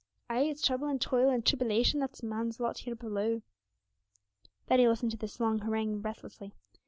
Ay, it's trouble and toil and tribbylation that is man's lot here below!' Betty listened to this long harangue breathlessly.